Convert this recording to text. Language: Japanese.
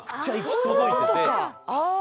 ああ。